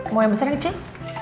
mau yang besar kecil